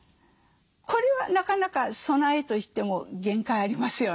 これはなかなか備えとしても限界ありますよね。